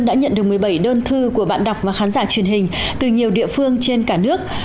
đã nhận được một mươi bảy đơn thư của bạn đọc và khán giả truyền hình từ nhiều địa phương trên cả nước